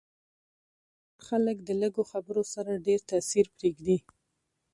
هوښیار خلک د لږو خبرو سره ډېر تاثیر پرېږدي.